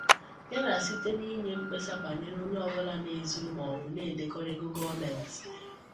ya na site n'inye mkpesa bànyere onye ọbụla na-ezuru maọbụ na-edekọrọ ego gọọmenti.